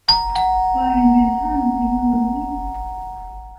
ไฟน์ เม็ททัล เทคโนโลยีส์